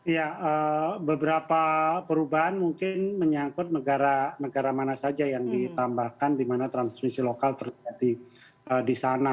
ya beberapa perubahan mungkin menyangkut negara negara mana saja yang ditambahkan di mana transmisi lokal terjadi di sana